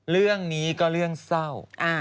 เรื่องนี้ก็เรื่องเศร้า